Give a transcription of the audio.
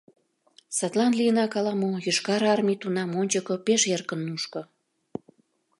Садлан лийнак ала-мо Йошкар армий тунам ончыко пеш эркын нушко.